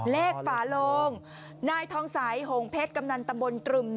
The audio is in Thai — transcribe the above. เลขฝาโลงนายทองสายโหงเพชรกำนันตมนตรึม